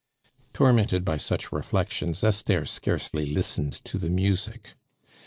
Tormented by such reflections, Esther scarcely listened to the music.